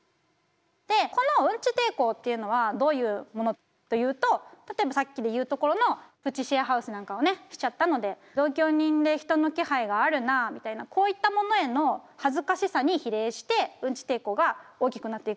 でこのうんち抵抗っていうのはどういうものというと例えばさっきで言うところのプチシェアハウスなんかをねしちゃったので同居人で人の気配があるなあみたいなこういったものへの恥ずかしさに比例してうんち抵抗が大きくなっていくわけです。